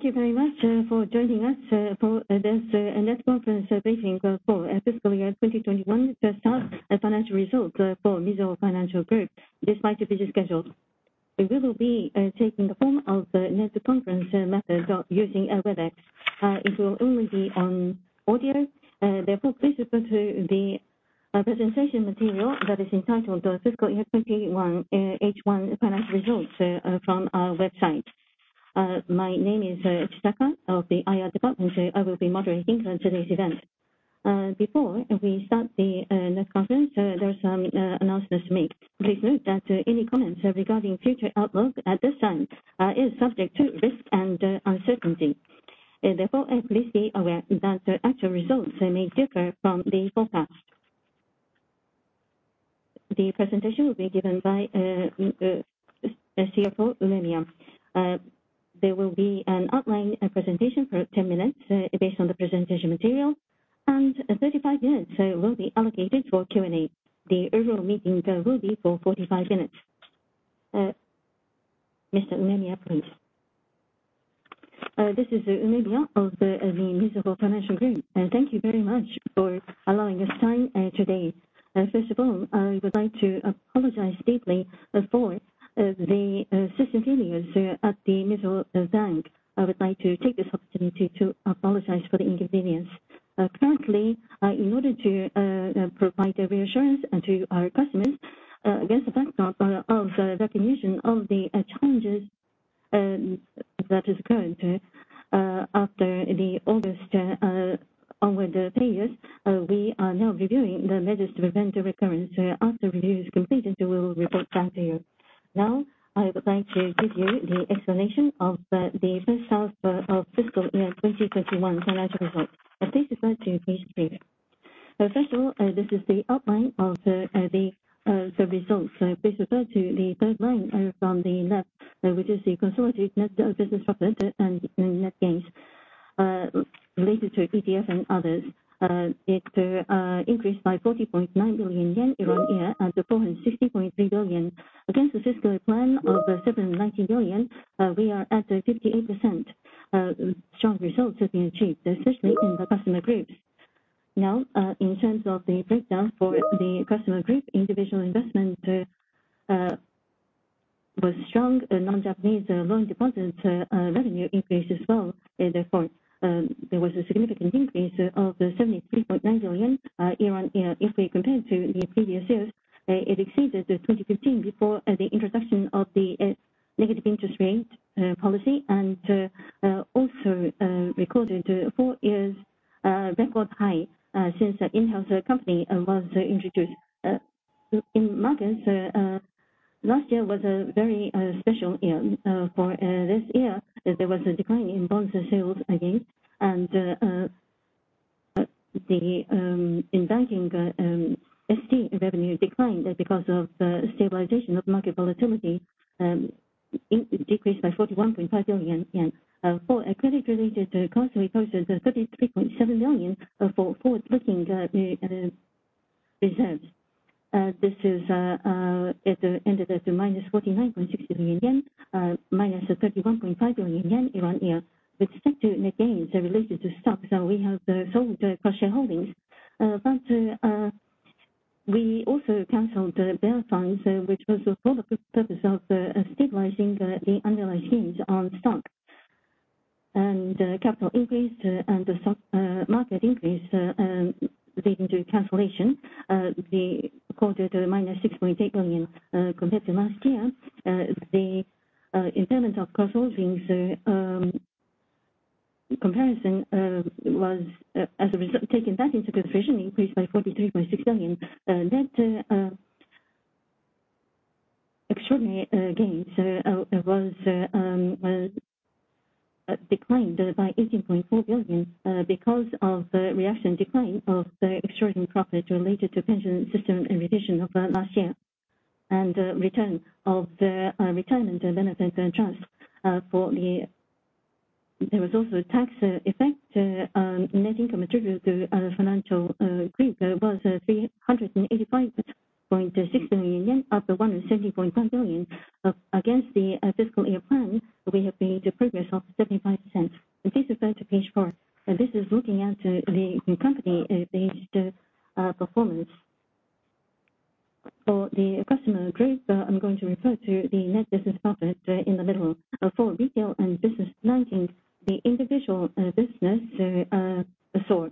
Thank you very much for joining us for this web conference briefing for fiscal year 2021 first half financial results for Mizuho Financial Group, despite the busy schedule. We will be taking the form of the web conference method of using Webex. It will only be on audio, therefore please refer to the presentation material that is entitled Fiscal Year 2021 H1 Financial Results from our website. My name is Chisaka of the IR department, I will be moderating today's event. Before we start the web conference, there are some announcements to make. Please note that any comments regarding future outlook at this time is subject to risk and uncertainty. Therefore, please be aware that actual results may differ from the forecast. The presentation will be given by the CFO, Umemiya. There will be an outline, a presentation for 10 minutes, based on the presentation material, and 35 minutes will be allocated for Q&A. The overall meeting will be for 45 minutes. Mr. Umemiya, please. This is Umemiya of the Mizuho Financial Group. Thank you very much for allowing us time today. First of all, I would like to apologize deeply for the system failures at the Mizuho Bank. I would like to take this opportunity to apologize for the inconvenience. Currently, in order to provide a reassurance to our customers against the backdrop of recognition of the challenges that is current after the August onward periods, we are now reviewing the measures to prevent a recurrence. After review is completed, we will report back to you. Now, I would like to give you the explanation of the first half of fiscal year 2021 financial results. Please refer to Page 3. First of all, this is the outline of the results. Please refer to the third line from the left, which is the consolidated net of business profit and net gains related to ETF and others. It increased by 40.9 billion yen year-on-year at 460.3 billion. Against the fiscal plan of 790 billion, we are at 58%. Strong results have been achieved, especially in the customer groups. Now, in terms of the breakdown for the customer group, individual investment was strong. Non-Japanese loan deposits revenue increased as well. Therefore, there was a significant increase of 73.9 billion year-on-year if we compare to the previous years. It exceeded the 2015 before the introduction of the negative interest rate policy, and also recorded four-year record high since the in-house company was introduced. In markets, last year was a very special year. For this year there was a decline in bond sales again, and the underwriting S&T revenue declined because of stabilization of market volatility, decreased by 41.5 billion yen. For credit-related constant process 33.7 million for forward-looking reserves. This ended at -49.6 billion yen, -31.5 billion yen year-on-year, with other net gains related to stocks that we have sold cross-shareholdings. We also canceled the bear funds, which was for the purpose of stabilizing the underlying gains on stock. Capital increase and the stock market increase leading to cancellation the quarter to a -6.8 billion compared to last year. The impairment of cross holdings comparison was, as a result, taken that into consideration, increased by 43.6 billion. Net extraordinary gains was declined by 18.4 billion because of the reaction decline of the extraordinary profit related to pension system revision of last year, return of the retirement benefit and trust. There was also a tax effect. Net income attributable to our Financial Group was 385.6 billion yen, up 170.1 billion. Against the fiscal year plan, we have made a progress of 75%. Please refer to page 4. This is looking at the company page performance. For the customer group, I'm going to refer to the net business profit in the middle. For retail and business banking, the individual business saw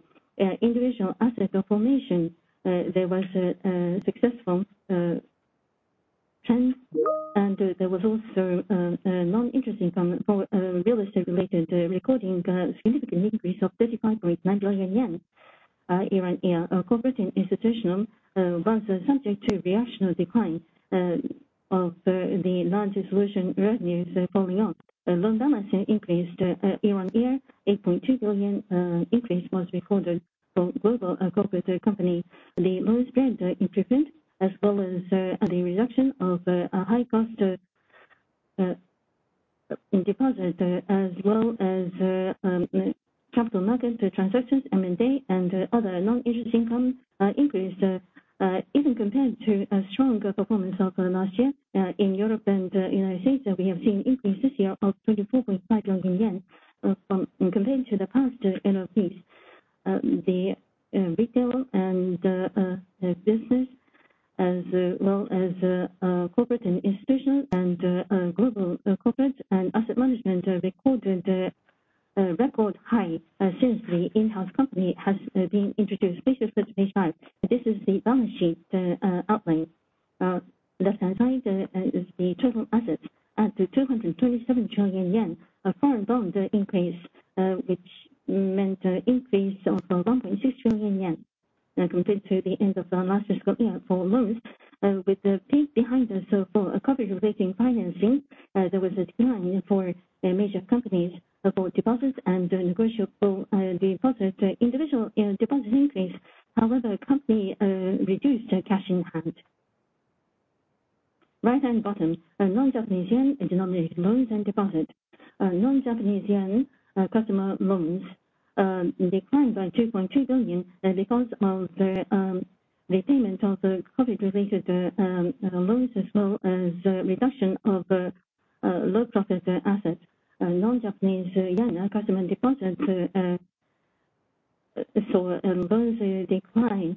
individual asset formation. There was a successful trend, and there was also a non-interest income for real estate-related, recording a significant increase of 35.9 billion yen year-on-year. Corporate and Institutional was subject to rational decline of the loan solution revenues falling off. Loan balances increased year-on-year, 8.2 billion increase was recorded for global corporate company. The loan spread improved, as well as the reduction of high-cost deposits, as well as capital markets transactions, M&A, and other non-interest income increased, even compared to a stronger performance of last year, in Europe and United States, we have seen increase this year of 24.5 billion yen compared to the past NPLs. The retail and the business, as well as corporate and institutional and global corporate and asset management recorded a record high since the in-house company has been introduced. Please refer to page 5. This is the balance sheet outline. Left-hand side is the total assets add to 227 trillion yen of foreign bond increase, which meant an increase of 1.6 trillion yen compared to the end of last fiscal year for loans. With the peak behind us for COVID-related financing, there was a decline for the major companies for deposits and negotiable deposits. Individual deposit increase, however, company reduced cash in hand. Right-hand bottom non-Japanese yen denominated loans and deposits. Non-Japanese yen customer loans declined by 2.2 billion because of the repayment of the COVID-related loans, as well as reduction of low profit assets. Non-Japanese yen customer deposits saw a decline.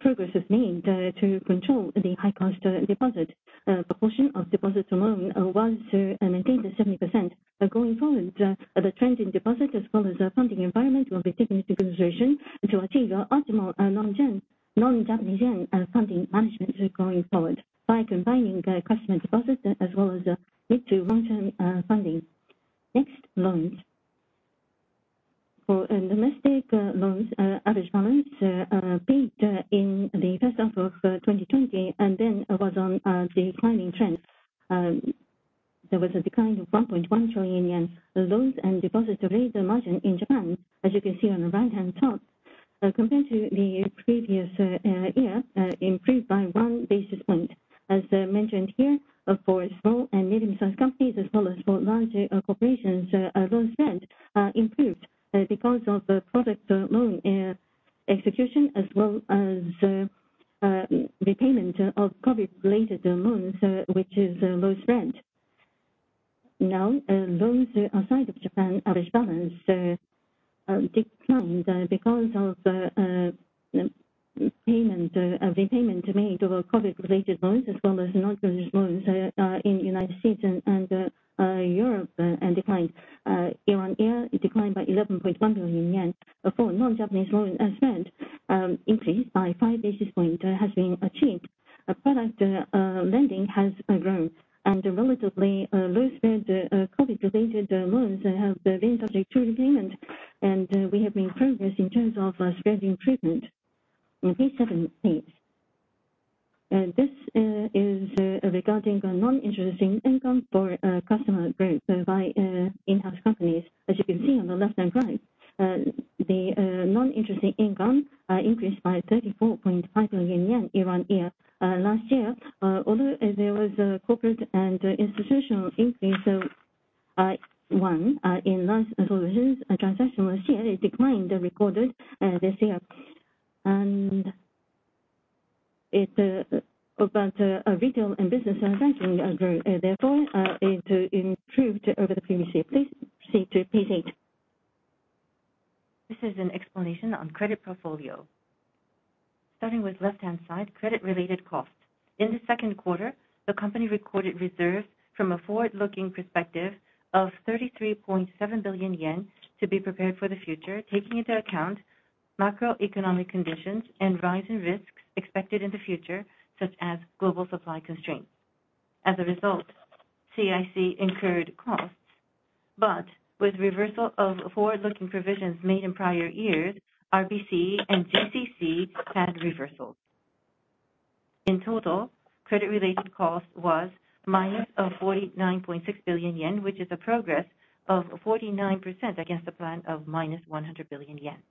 Progress is made to control the high cost deposit. Proportion of deposits alone was maintained at 70%. Going forward, the trend in deposit as well as the funding environment will be taken into consideration to achieve optimal non-Japanese yen funding management going forward by combining customer deposits as well as lead to long-term funding. Next, loans. For domestic loans, average balance peaked in the first half of 2020 and then was on declining trends. There was a decline of 1.1 trillion yen. The loans and deposit rate margin in Japan, as you can see on the right-hand top, compared to the previous year, improved by one basis point. As mentioned here, for small and medium-sized companies as well as for large corporations, loan spreads improved because of the project loan execution, as well as repayment of COVID-related loans, which is low spread. Now, loans outside of Japan average balance declined because of repayment of COVID-related loans as well as non-COVID loans in United States and Europe, declined year-on-year by 11.1 billion yen. For non-Japanese loan spread, increase by five basis point has been achieved. Project lending has grown and relatively low spread COVID-related loans have been subject to repayment. We have made progress in terms of spread improvement. On page seven, please. This is regarding the non-interest income for customer groups by in-house companies. As you can see on the left-hand side, the non-interest income increased by 34.5 billion yen year-on-year. Last year, although there was a Corporate & Institutional increase of 1 in loan solutions, transaction banking declined this year. Retail & Business Banking grew, therefore, it improved over the previous year. Please proceed to page eight. This is an explanation on credit portfolio. Starting with left-hand side, credit-related costs. In the second quarter, the company recorded reserves from a forward-looking perspective of 33.7 billion yen to be prepared for the future, taking into account macroeconomic conditions and rising risks expected in the future, such as global supply constraints. As a result, CIC incurred costs, but with reversal of forward-looking provisions made in prior years, RBC and GCC had reversals. In total, credit-related cost was -49.6 billion yen, which is a progress of 49% against the plan of -100 billion yen.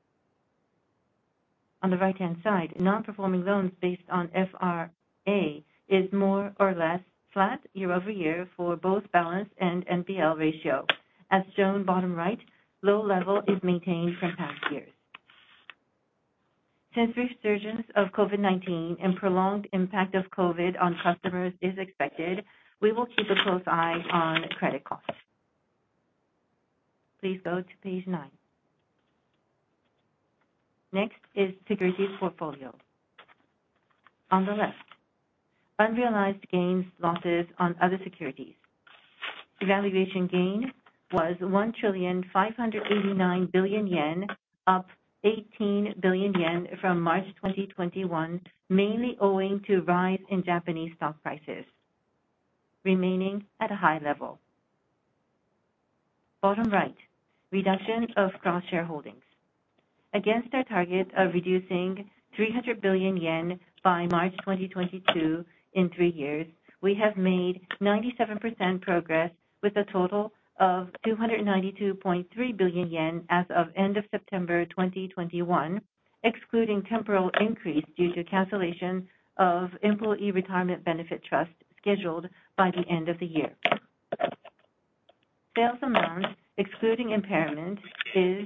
On the right-hand side, non-performing loans based on FRA is more or less flat year-over-year for both balance and NPL ratio. As shown bottom right, low level is maintained from past years. Since resurgence of COVID-19 and prolonged impact of COVID on customers is expected, we will keep a close eye on credit costs. Please go to page nine. Next is securities portfolio. On the left, unrealized gains, losses on other securities. Revaluation gain was 1,589 billion yen, up 18 billion yen from March 2021, mainly owing to rise in Japanese stock prices, remaining at a high level. Bottom right, reduction of cross-shareholdings. Against our target of reducing 300 billion yen by March 2022 in three years, we have made 97% progress with a total of 292.3 billion yen as of end of September 2021. Excluding temporal increase due to cancellation of employee retirement benefit trust scheduled by the end of the year. Sales amount excluding impairment is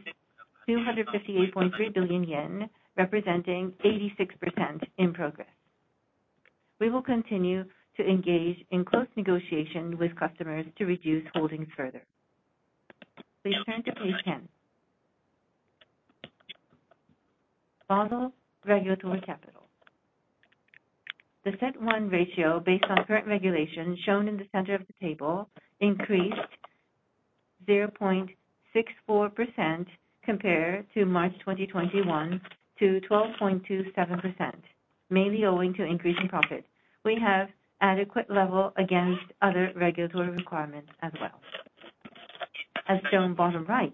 258.3 billion yen, representing 86% in progress. We will continue to engage in close negotiation with customers to reduce holdings further. Please turn to page 10. Basel regulatory capital. The CET1 ratio based on current regulations shown in the center of the table increased 0.64% compared to March 2021 to 12.27%, mainly owing to increase in profit. We have adequate level against other regulatory requirements as well. As shown bottom right,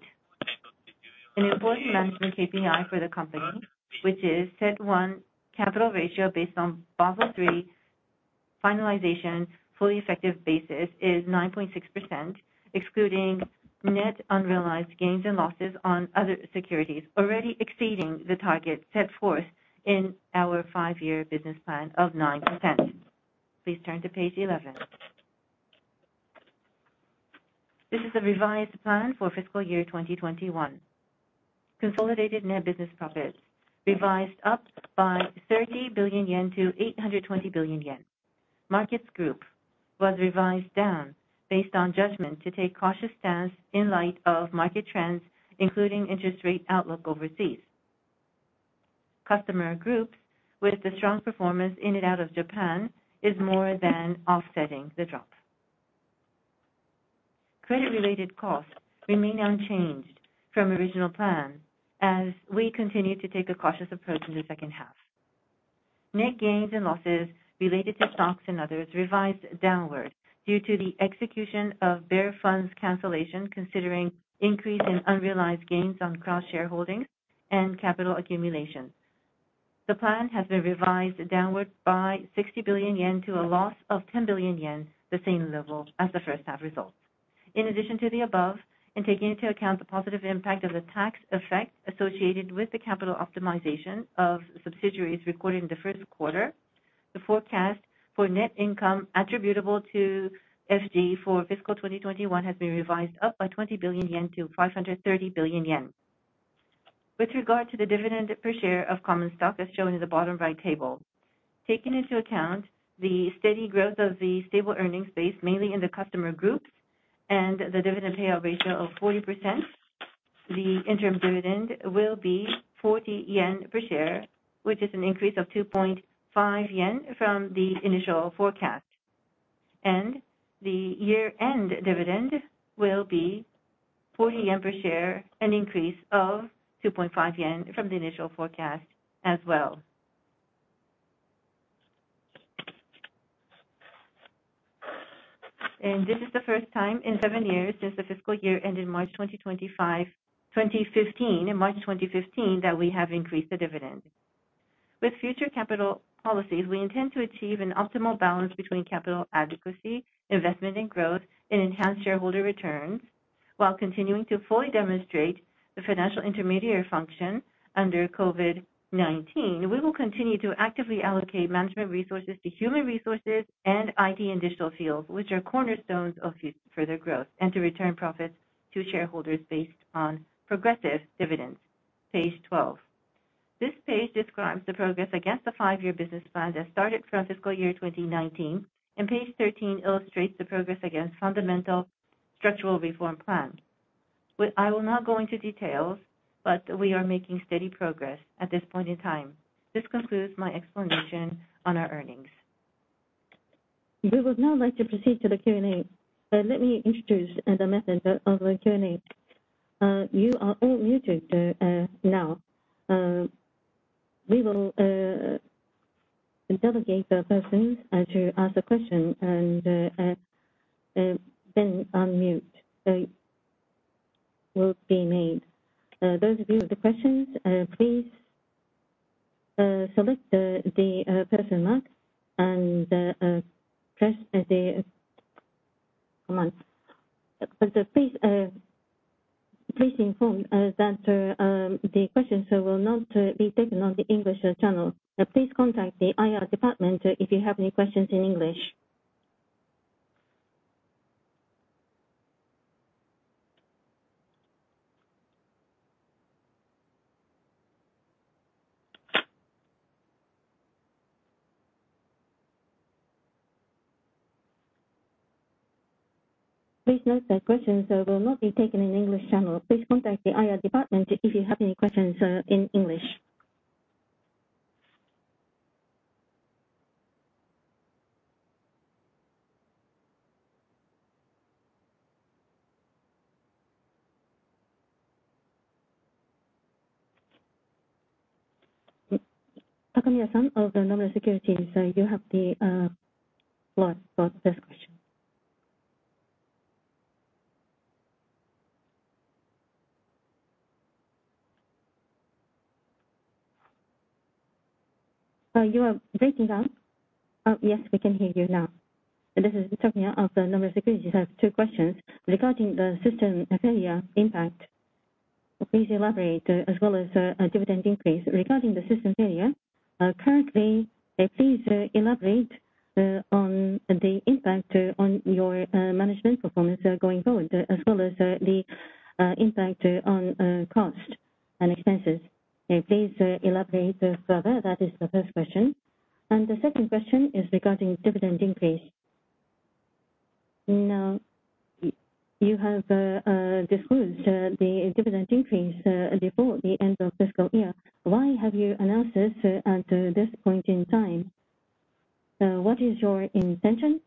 an important management KPI for the company, which is CET1 capital ratio based on Basel III finalization fully effective basis, is 9.6%, excluding net unrealized gains and losses on other securities, already exceeding the target set forth in our five year business plan of 9%. Please turn to page 11. This is a revised plan for fiscal year 2021. Consolidated net business profits revised up by 30 billion-820 billion yen. Markets group was revised down based on judgment to take cautious stance in light of market trends, including interest rate outlook overseas. Customer groups with a strong performance in and out of Japan is more than offsetting the drop. Credit-related costs remain unchanged from original plan as we continue to take a cautious approach in the second half. Net gains and losses related to stocks and others revised downward due to the execution of bear funds cancellation considering increase in unrealized gains on cross-share holdings and capital accumulation. The plan has been revised downward by 60 billion yen to a loss of 10 billion yen, the same level as the first half results. In addition to the above, and taking into account the positive impact of the tax effect associated with the capital optimization of subsidiaries recorded in the first quarter, the forecast for net income attributable to FG for fiscal 2021 has been revised up by 20 billion-530 billion yen. With regard to the dividend per share of common stock, as shown in the bottom right table, taking into account the steady growth of the stable earnings base, mainly in the customer groups, and the dividend payout ratio of 40%, the interim dividend will be 40 yen per share, which is an increase of 2.5 yen from the initial forecast. The year-end dividend will be 40 yen per share, an increase of 2.5 yen from the initial forecast as well. This is the first time in seven years since the fiscal year ended March 2015 that we have increased the dividend. With future capital policies, we intend to achieve an optimal balance between capital adequacy, investment and growth, and enhanced shareholder returns while continuing to fully demonstrate the financial intermediary function under COVID-19. We will continue to actively allocate management resources to human resources and IT and digital fields, which are cornerstones of future further growth, and to return profits to shareholders based on progressive dividends. Page 12. This page describes the progress against the five year business plan that started from fiscal year 2019, and Page 13 illustrates the progress against fundamental structural reform plan. I will not go into details, but we are making steady progress at this point in time. This concludes my explanation on our earnings. We would now like to proceed to the Q&A. Let me introduce the method of the Q&A. You are all muted now. We will delegate a person to ask a question and then unmute will be made. Those of you with the questions, please select the person mark and press the command. Please inform us that the questions will not be taken on the English channel. Please contact the IR department if you have any questions in English. Please note that questions will not be taken in English channel. Please contact the IR department if you have any questions in English. Takamiya-san of the Nomura Securities, you have the floor for the first question. This is Takamiya of Nomura Securities. I have two questions. Regarding the system failure impact, please elaborate, as well as a dividend increase. Regarding the system failure, currently, please elaborate on the impact on your management performance going forward, as well as the impact on cost and expenses. Please elaborate further. That is the first question. The second question is regarding dividend increase. Now, you have disclosed the dividend increase before the end of fiscal year. Why have you announced this at this point in time? What is your intention,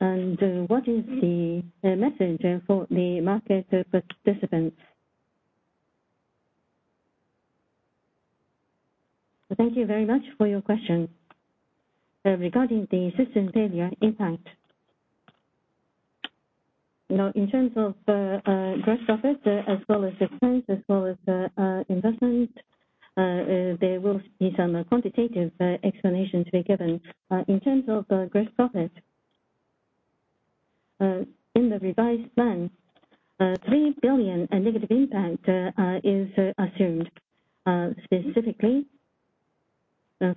and what is the message for the market participants? Thank you very much for your question. Regarding the system failure impact. Now, in terms of gross profit, as well as expense, as well as investment, there will be some quantitative explanation to be given. In terms of gross profit, in the revised plan, 3 billion negative impact is assumed. Specifically,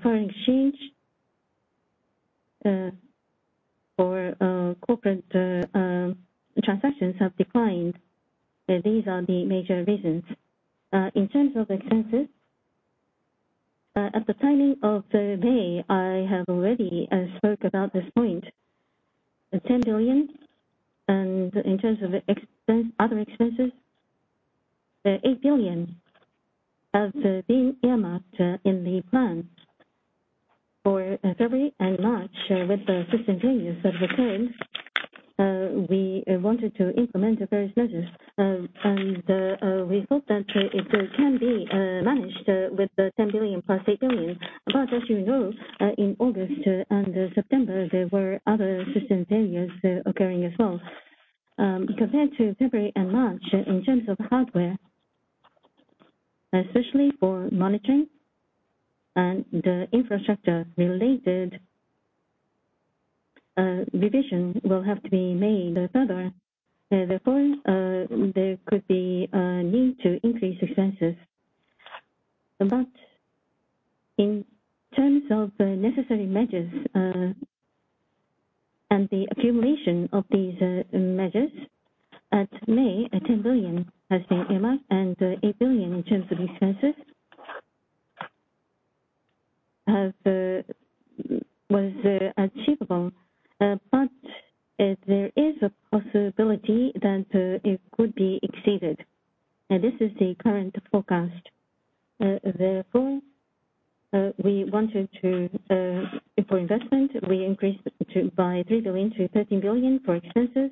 foreign exchange for corporate transactions have declined. These are the major reasons. In terms of expenses, at the timing of February, I have already spoke about this point. 10 billion and in terms of expense, other expenses, 8 billion have been earmarked in the plan for February and March with the system failures that occurred. We wanted to implement various measures, and we hope that it can be managed with the 10 billion+JPY 8 billion. As you know, in August and September, there were other system failures occurring as well. Compared to February and March, in terms of hardware, especially for monitoring and infrastructure related, revision will have to be made further. Therefore, there could be need to increase expenses. In terms of the necessary measures, and the accumulation of these measures, in May, 10 billion has been earmarked and 8 billion in terms of expenses was achievable. There is a possibility that it could be exceeded. This is the current forecast. Therefore, we wanted to, for investment, we increased it to, by 3 billion-13 billion for expenses.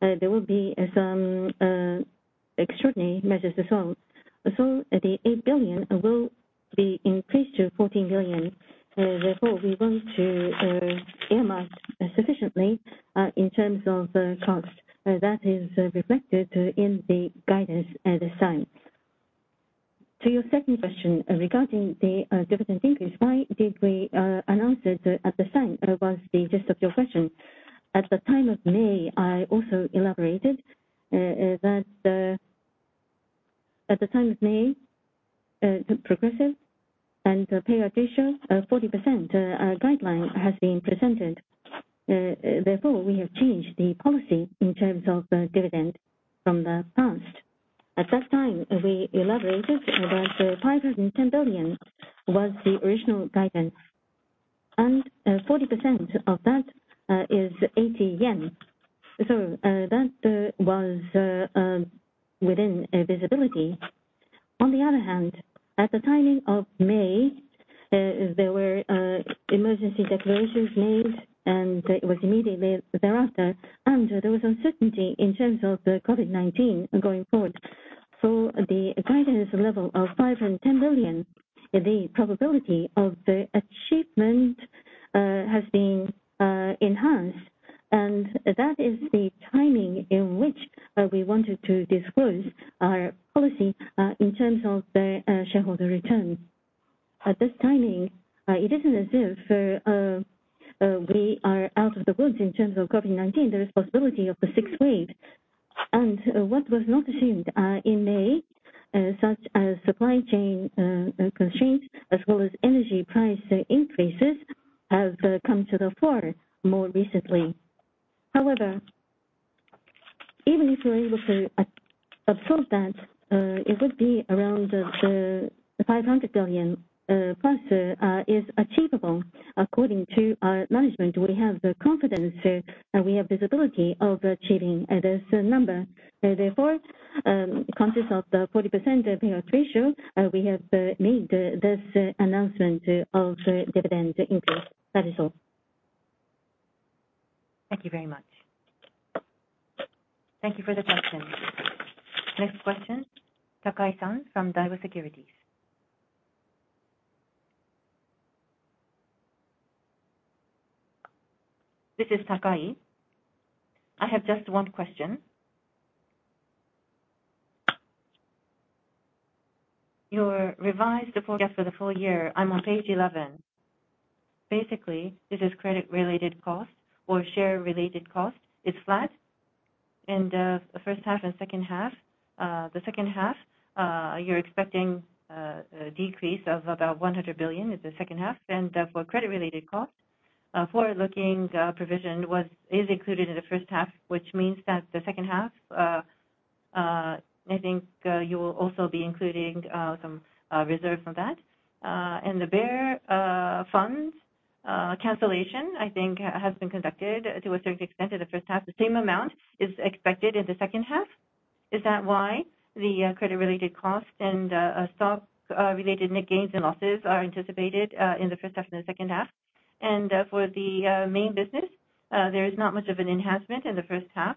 There will be some extraordinary measures as well. The 8 billion will be increased to 14 billion. Therefore we want to earmark sufficiently in terms of cost. That is reflected in the guidance at this time. To your second question, regarding the dividend increase, why did we announce it at this time, was the gist of your question. At the time of May, I also elaborated that progressive payout ratio of 40% guideline has been presented. Therefore, we have changed the policy in terms of dividend from the past. At that time, we elaborated that 510 billion was the original guidance, and 40% of that is 80 yen. That was within visibility. On the other hand, at the timing of May, there were emergency declarations made, and it was immediately thereafter, and there was uncertainty in terms of the COVID-19 going forward. The guidance level of 510 billion, the probability of the achievement, has been enhanced, and that is the timing in which we wanted to disclose our policy in terms of the shareholder returns. At this timing, it isn't as if we are out of the woods in terms of COVID-19. There is possibility of a sixth wave. What was not assumed in May, such as supply chain constraints, as well as energy price increases have come to the fore more recently. However, even if we're able to absorb that, it would be around 500+ billion is achievable. According to our management, we have the confidence, we have visibility of achieving this number. Therefore, conscious of the 40% payout ratio, we have made this announcement of dividend increase. That is all. Thank you very much. Thank you for the question. Next question, Takei-san from Daiwa Securities. This is Takei. I have just one question. Your revised forecast for the full-year, I'm on Page 11. Basically, this is credit-related cost or share-related cost. It's flat in the first half and second half. The second half, you're expecting a decrease of about 100 billion in the second half. For credit-related costs, forward-looking provision is included in the first half, which means that the second half, I think, you will also be including some reserve for that. The bear funds cancellation, I think has been conducted to a certain extent in the first half. The same amount is expected in the second half. Is that why the credit-related cost and stock-related net gains and losses are anticipated in the first half and the second half? For the main business, there is not much of an enhancement in the first half.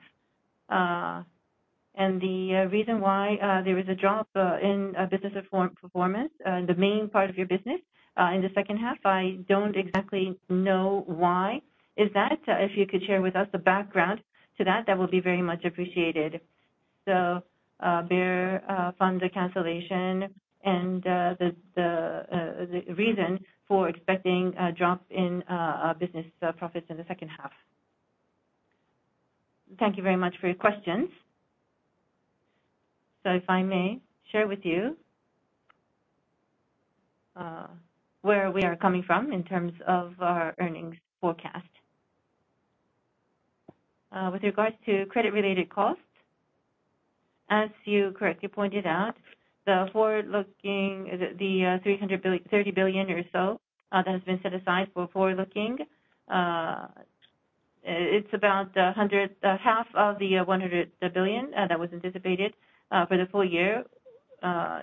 The reason why there is a drop in business performance in the main part of your business in the second half, I don't exactly know why. If you could share with us the background to that would be very much appreciated. The bear funds cancellation and the reason for expecting a drop in business profits in the second half. Thank you very much for your questions. If I may share with you where we are coming from in terms of our earnings forecast. With regards to credit-related costs, as you correctly pointed out, the forward-looking 30 billion or so that has been set aside for forward-looking, it's about half of the 100 billion that was anticipated for the full year.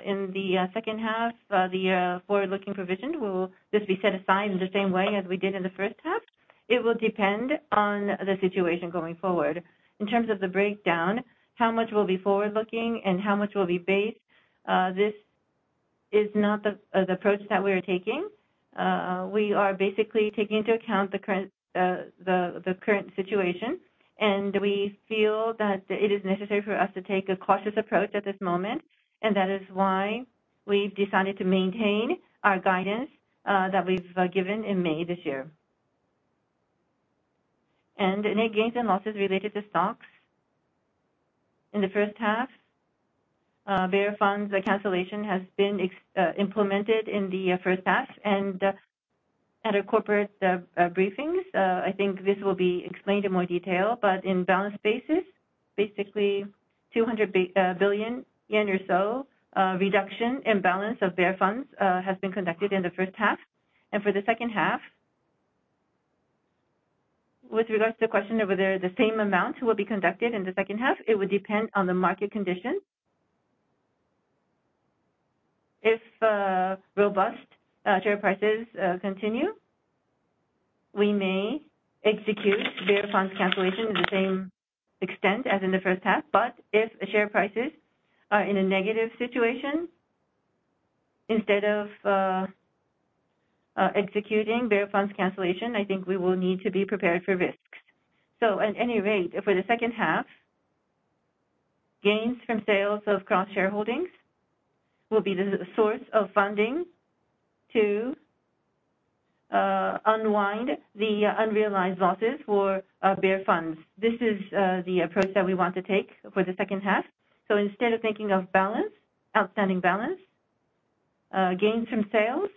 In the second half, the forward-looking provision will just be set aside in the same way as we did in the first half. It will depend on the situation going forward. In terms of the breakdown, how much will be forward-looking and how much will be base, this is not the approach that we are taking. We are basically taking into account the current situation, and we feel that it is necessary for us to take a cautious approach at this moment. That is why we've decided to maintain our guidance that we've given in May this year. Net gains and losses related to stocks in the first half, bear funds cancellation has been implemented in the first half. At our corporate briefings, I think this will be explained in more detail, but in balance basis, basically 200 billion yen or so reduction in balance of bear funds has been conducted in the first half. For the second half, with regards to the question of whether the same amount will be conducted in the second half, it would depend on the market conditions. If robust share prices continue, we may execute bear funds cancellation to the same extent as in the first half. If share prices are in a negative situation, instead of executing bear funds cancellation, I think we will need to be prepared for risks. At any rate, for the second half, gains from sales of cross-shareholdings will be the source of funding to unwind the unrealized losses for bear funds. This is the approach that we want to take for the second half. Instead of thinking of balance, outstanding balance, gains from sales,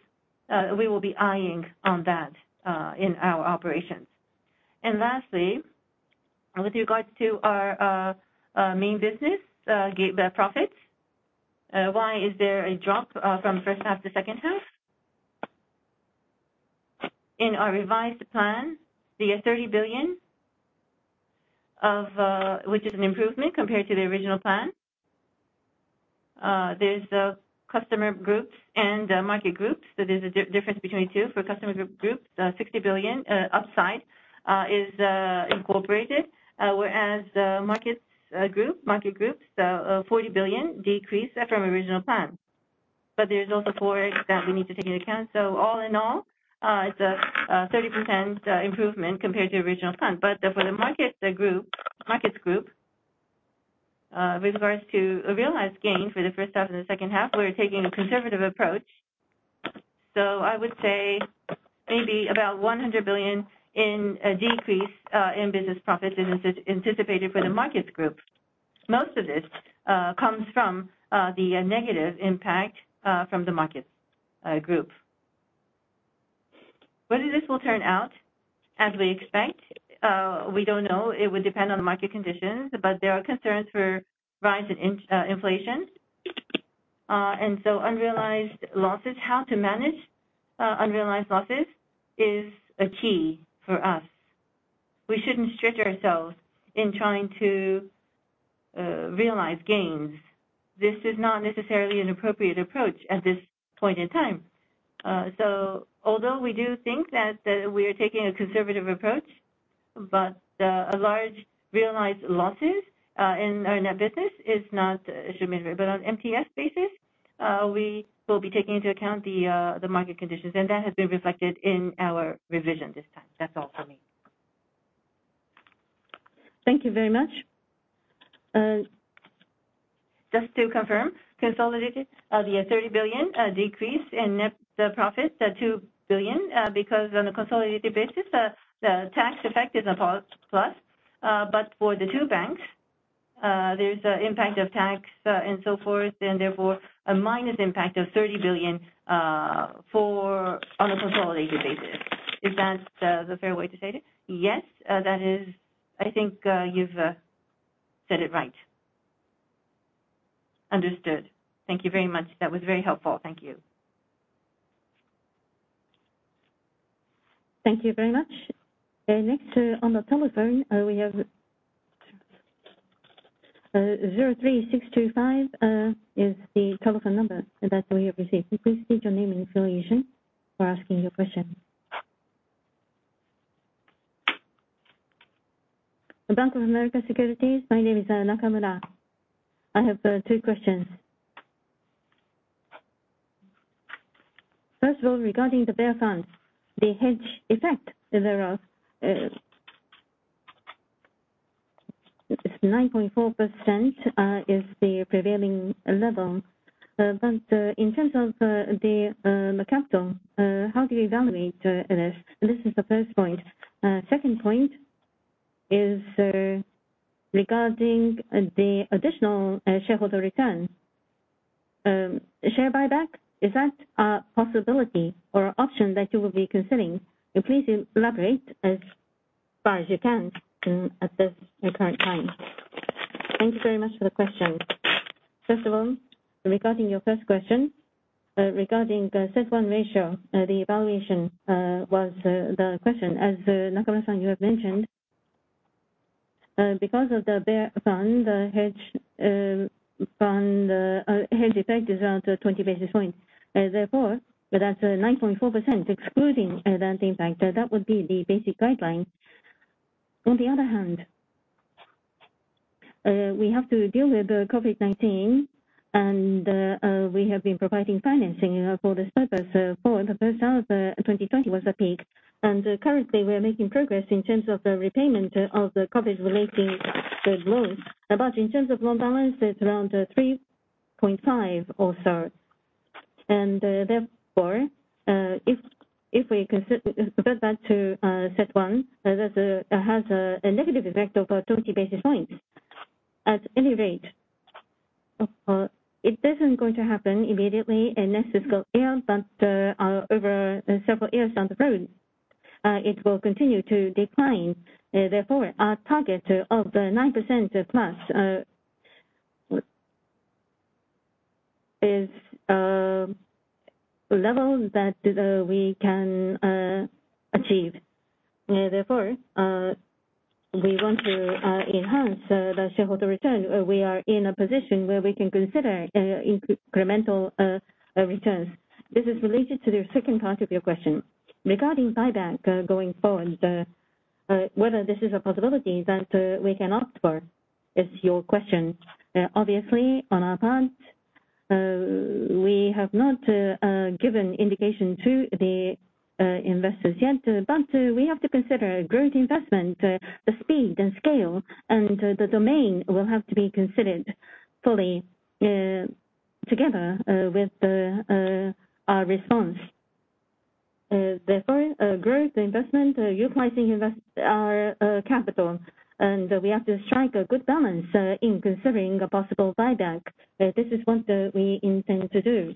we will be eyeing on that in our operations. Lastly, with regards to our main business profits, why is there a drop from first half to second half? In our revised plan, the 30 billion of which is an improvement compared to the original plan, there's customer groups and market groups. There's a difference between the two. For customer group, 60 billion upside is incorporated, whereas the markets group 40 billion decrease from original plan. There's also ForEx that we need to take into account. All in all, it's a 30% improvement compared to original plan. For the markets group, with regards to a realized gain for the first half and the second half, we're taking a conservative approach. I would say maybe about 100 billion decrease in business profits is anticipated for the markets group. Most of this comes from the negative impact from the markets group. Whether this will turn out as we expect, we don't know. It will depend on the market conditions, but there are concerns for rise in inflation. Unrealized losses, how to manage unrealized losses is a key for us. We shouldn't stretch ourselves in trying to realize gains. This is not necessarily an appropriate approach at this point in time. Although we do think that we are taking a conservative approach, a large realized losses in our business is not something we should mention. On MTM basis, we will be taking into account the market conditions, and that has been reflected in our revision this time. That's all for me. Thank you very much. Just to confirm, consolidated, the 30 billion decrease in net profit, the 2 billion, because on a consolidated basis, the tax effect is a positive. For the two banks, there's an impact of tax, and so forth, and therefore a minus impact of 30 billion on a consolidated basis. Is that the fair way to state it? Yes. I think you've said it right. Understood. Thank you very much. That was very helpful. Thank you. Thank you very much. Next, on the telephone, we have 03-625, is the telephone number that we have received. Please state your name and affiliation for asking your question. Bank of America Securities. My name is Nakamura. I have two questions. First of all, regarding the bear funds, the hedge effect, it's 9.4%, is the prevailing level. In terms of the capital, how do you evaluate this? This is the first point. Second point is regarding the additional shareholder returns. Share buyback, is that a possibility or option that you will be considering? Please elaborate as far as you can at this current time. Thank you very much for the question. First of all, regarding your first question, regarding the CET1 ratio, the evaluation was the question. As Nakamura, you have mentioned, because of the bear fund hedge effect is around 20 basis points. Therefore, that's 9.4% excluding that impact. That would be the basic guideline. On the other hand, we have to deal with the COVID-19 and we have been providing financing for this purpose. The first half of 2020 was a peak, and currently we are making progress in terms of the repayment of the COVID-related loans. In terms of loan balance, it's around 3.5 or so. Therefore, if we put that to CET1, that has a negative effect of 20 basis points. At any rate, it doesn't going to happen immediately unless it's got ill, but over several years down the road, it will continue to decline. Therefore, our target of 9%+ is a level that we can achieve. Therefore, we want to enhance the shareholder return. We are in a position where we can consider incremental returns. This is related to the second part of your question. Regarding buyback going forward, whether this is a possibility that we can opt for is your question. Obviously, on our part, we have not given indication to the investors yet, but we have to consider growth investment, the speed and scale, and the domain will have to be considered fully together with our response. Therefore, growth investment utilizing investor capital, and we have to strike a good balance in considering a possible buyback. This is what we intend to do.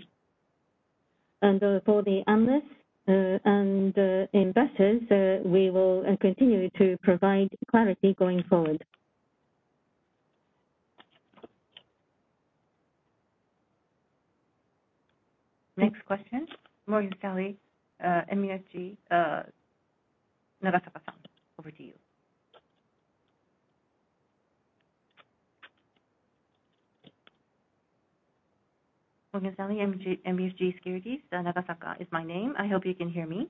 For the analysts and investors, we will continue to provide clarity going forward. Next question, Morgan Stanley MUFG, Nagasaka, over to you. Morgan Stanley MUFG Securities. Nagasaka is my name. I hope you can hear me.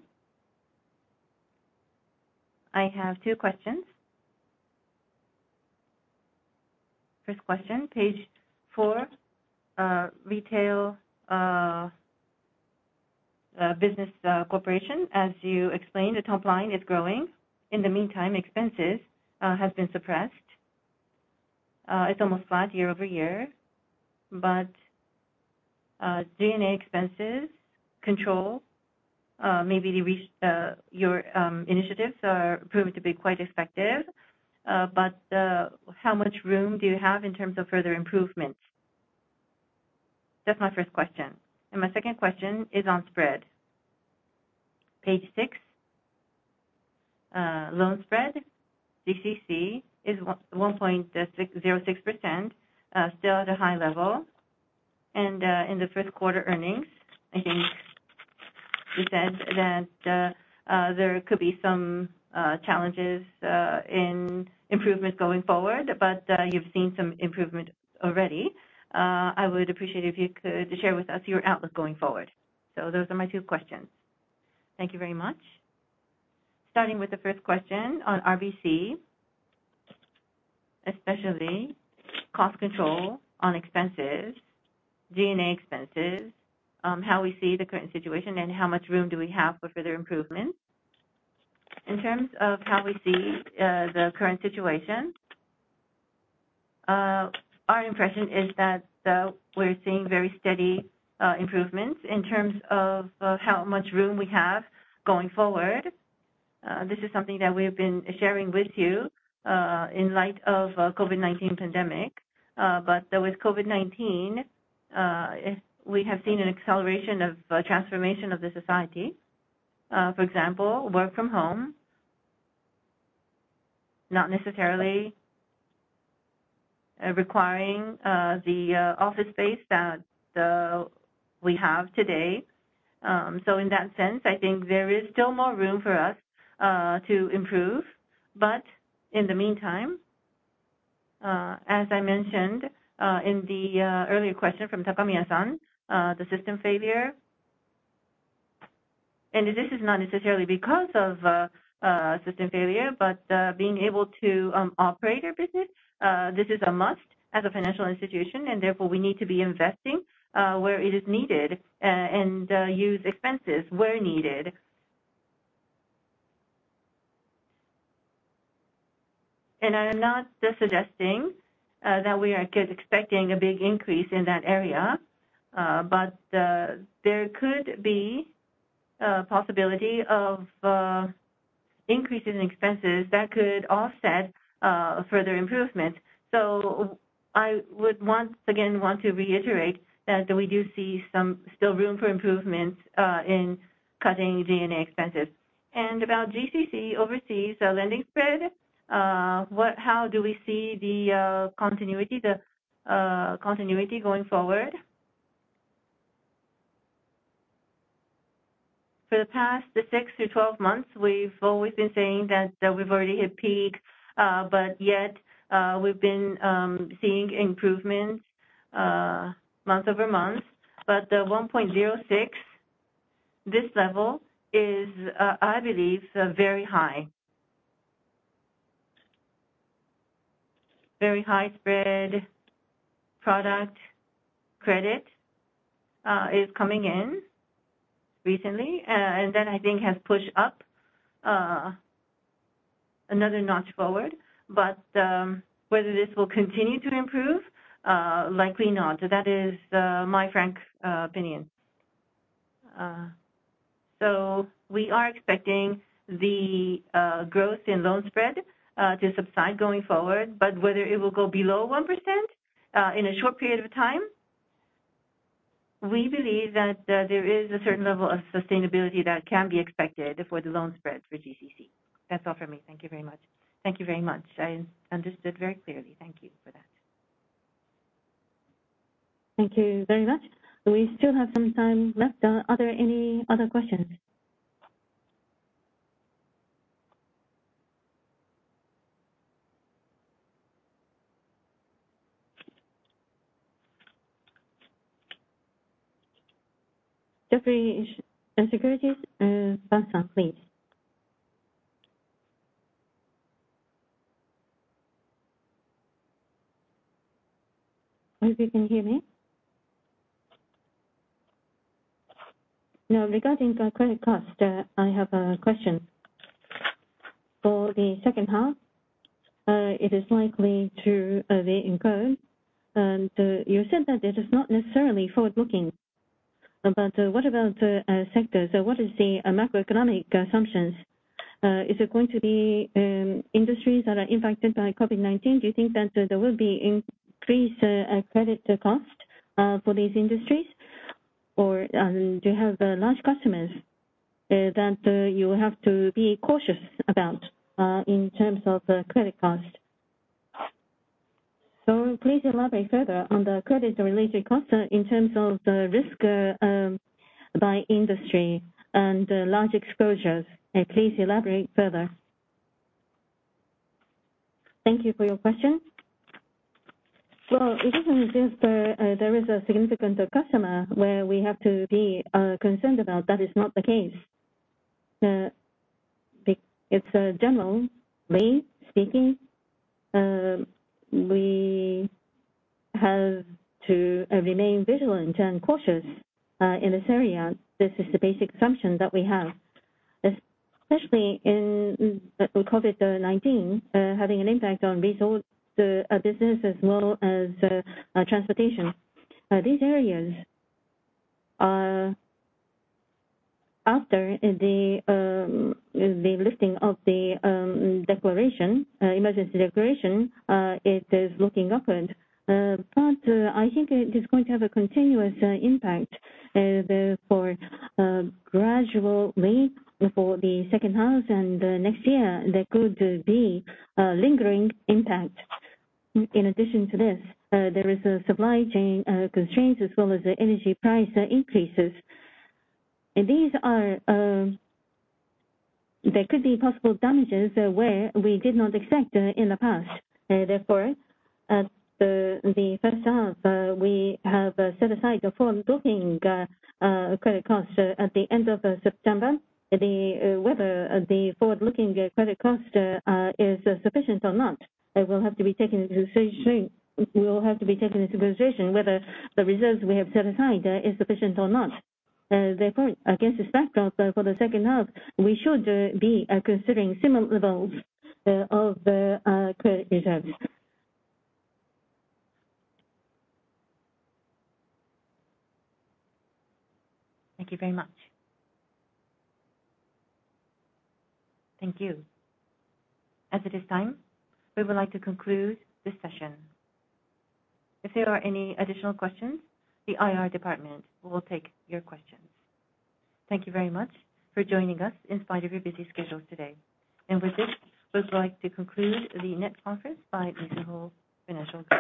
I have two questions. First question, Page 4, retail business corporation. As you explained, the top line is growing. In the meantime, expenses have been suppressed. It's almost flat year-over-year. G&A expenses control, maybe your initiatives are proving to be quite effective. How much room do you have in terms of further improvements? That's my first question. My second question is on spread. Page 6, loan spread, GCC is 1.606%, still at a high level. In the first quarter earnings, I think you said that there could be some challenges in improvement going forward, but you've seen some improvement already. I would appreciate if you could share with us your outlook going forward. Those are my two questions. Thank you very much. Starting with the first question on RBC, especially cost control on expenses. G&A expenses, how we see the current situation and how much room do we have for further improvements. In terms of how we see the current situation, our impression is that we're seeing very steady improvements in terms of how much room we have going forward. This is something that we have been sharing with you in light of COVID-19 pandemic. With COVID-19, we have seen an acceleration of transformation of the society. For example, work from home not necessarily requiring the office space that we have today. In that sense, I think there is still more room for us to improve. In the meantime, as I mentioned, in the earlier question from Takamiya-san, the system failure, and this is not necessarily because of system failure, but being able to operate our business, this is a must as a financial institution, and therefore we need to be investing where it is needed and use expenses where needed. I am not suggesting that we are expecting a big increase in that area, but there could be a possibility of increase in expenses that could offset further improvement. I would once again want to reiterate that we do see some still room for improvement in cutting G&A expenses. About GCC overseas, the lending spread, how do we see the continuity going forward? For the past six to 12 months, we've always been saying that we've already hit peak, but yet we've been seeing improvements month-over-month. 1.06%, this level is, I believe, very high. Very high spread product credit is coming in recently, and that I think has pushed up another notch forward. Whether this will continue to improve, likely not. That is my frank opinion. We are expecting the growth in loan spread to subside going forward, but whether it will go below 1% in a short period of time, we believe that there is a certain level of sustainability that can be expected for the loan spread for GCC. That's all for me. Thank you very much. Thank you very much. I understood very clearly. Thank you for that. Thank you very much. We still have some time left. Are there any other questions? Jefferies Securities, Ban-san, please. Hope you can hear me. Now, regarding the credit cost, I have a question. For the second half, it is likely to re-incur. You said that it is not necessarily forward-looking, but what about sectors? So what is the macroeconomic assumptions? Is it going to be industries that are impacted by COVID-19? Do you think that there will be increased credit cost for these industries? Or do you have large customers that you have to be cautious about in terms of credit cost? Please elaborate further on the credit-related cost, in terms of the risk, by industry and large exposures. Please elaborate further. Thank you for your question. Well, it doesn't mean there is a significant customer where we have to be concerned about. That is not the case. Generally speaking, we have to remain vigilant and cautious in this area. This is the basic assumption that we have. Especially in COVID-19 having an impact on retail business as well as transportation. These areas are after the lifting of the emergency declaration, it is looking upward. I think it is going to have a continuous impact, therefore gradually for the second half and next year, there could be a lingering impact. In addition to this, there is supply chain constraints as well as energy price increases. These are. There could be possible damages where we did not expect in the past. Therefore, at the first half, we have set aside the forward-looking credit cost at the end of September. Whether the forward-looking credit cost is sufficient or not will have to be taken into consideration whether the reserves we have set aside are sufficient or not. Therefore, against this backdrop, for the second half, we should be considering similar levels of credit reserves. Thank you very much. Thank you. As it is time, we would like to conclude this session. If there are any additional questions, the IR department will take your questions. Thank you very much for joining us in spite of your busy schedule today. With this, we would like to conclude the web conference by Mizuho Financial Group.